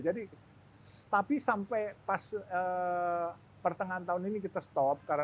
jadi tapi sampai pas pertengahan tahun ini kita berhenti karena psbb ke dua itu